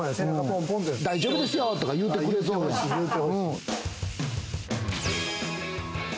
大丈夫ですよ！とか言ってくれそうやん。